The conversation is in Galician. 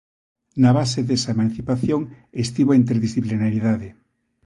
Na base desa emancipación estivo a interdisiciplinariedade.